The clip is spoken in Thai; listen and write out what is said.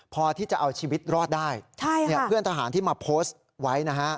พอที่จะเอาชีวิตรอดได้เพื่อนทหารที่มาโพสต์ไว้นะฮะ